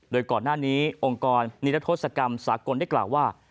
โดยก่อนหน้านี้องค์กรนิรัทธศกรรมสากลได้กล่าวว่า